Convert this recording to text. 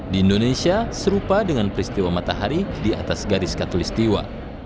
di indonesia serupa dengan peristiwa matahari di atas garis katolistiwa